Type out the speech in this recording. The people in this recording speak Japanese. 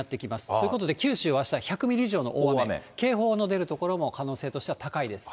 ということで九州はあした１００ミリ以上の大雨、警報の出る所も可能性としては高いです。